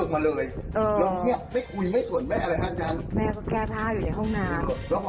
มีใจสวดมุนให้ลงมาเร็ว